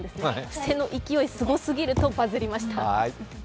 伏せの勢いすごすごるとバズりました。